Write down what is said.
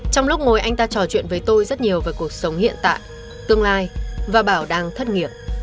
trong lúc ngồi anh ta trò chuyện với tôi rất nhiều về cuộc sống hiện tại tương lai và bảo đang thất nghiệp